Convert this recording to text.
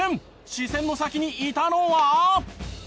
視線の先にいたのは。